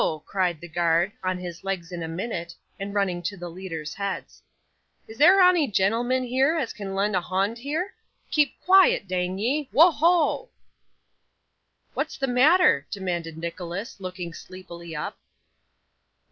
cried the guard, on his legs in a minute, and running to the leaders' heads. 'Is there ony genelmen there as can len' a hond here? Keep quiet, dang ye! Wo ho!' 'What's the matter?' demanded Nicholas, looking sleepily up.